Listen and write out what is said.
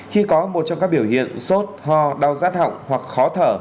khi có một trong các biểu hiện sốt ho đau rát họng hoặc khó thở